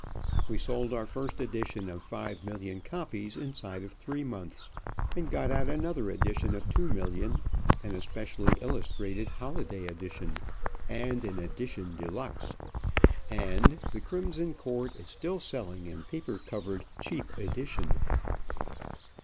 We sold our first edition of five million copies inside of three months, and got out another edition of two million, and a specially illustrated holiday edition, and an "edition de luxe;" and "The Crimson Cord" is still selling in paper covered cheap edition.